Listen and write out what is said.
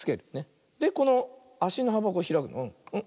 でこのあしのはばをひらく。